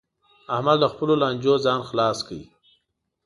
احمد له خپلو لانجو ځان خلاص کړ